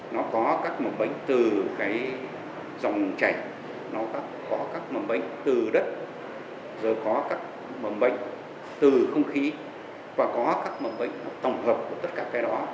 nó có các mầm bệnh từ cái dòng chảy nó có các mầm bệnh từ đất rồi có các mầm bệnh từ không khí và có các mầm bệnh tổng hợp của tất cả cái đó